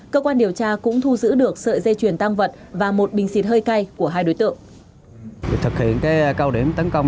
cơ quan điều tra cũng thu giữ được sợi dây chuyền tăng vật và một bình xịt hơi cay của hai đối tượng